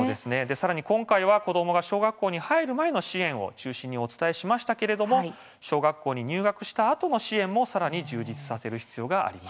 さらに今回は子どもが小学校に入る前の支援を中心にお伝えしましたが小学校に入学したあとの支援もさらに充実させる必要があります。